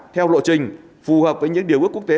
theo lộ trình phù hợp với những điều ước quốc tế